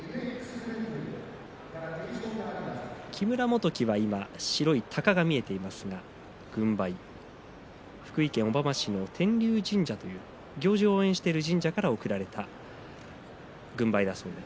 木村元基は今白いたかが見えていますが軍配、福井県小浜市の天龍神社という行司を応援している神社から贈られた軍配ですそうです。